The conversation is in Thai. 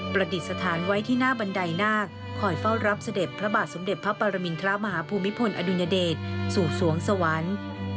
ดิษฐานไว้ที่หน้าบันไดนาคคอยเฝ้ารับเสด็จพระบาทสมเด็จพระปรมินทรมาฮภูมิพลอดุญเดชสู่สวงสวรรค์